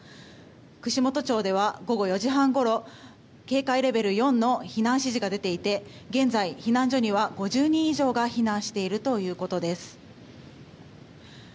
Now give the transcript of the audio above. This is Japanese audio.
串本町では午後４時半ごろ警戒レベル４の避難指示が出ていて現在、避難所には５０人以上が避難しているということです。